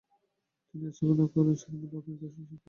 তিনি স্থাপন করেন সারভেন্টস অফ ইন্ডিয়া সোসাইটি।